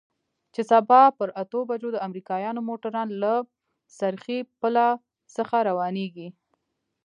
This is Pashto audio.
چې سبا پر اتو بجو د امريکايانو موټران له څرخي پله څخه روانېږي.